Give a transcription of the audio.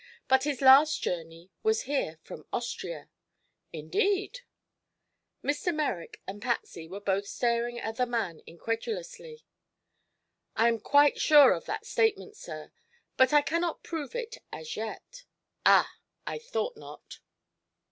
But his last journey was here from Austria." "Indeed!" Mr. Merrick and Patsy were both staring at the man incredulously. "I am quite sure of that statement, sir; but I cannot prove it, as yet." "Ah! I thought not."